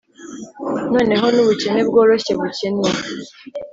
noneho nubukene bworoshye bukennye